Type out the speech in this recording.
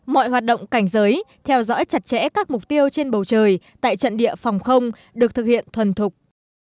mọi hoạt động cảnh giới theo dõi chặt chẽ các mục tiêu trên bầu trời tại trận địa phòng không được thực hiện thuần thục